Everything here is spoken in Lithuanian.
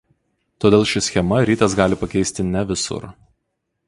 Todėl ši schema rites gali pakeisti ne visur.